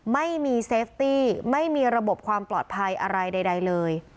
ไม่มีเซฟตี้ไม่มีระบบความปลอดภัยอะไรใดเลย